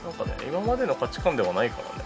今までの価値観ではないからね。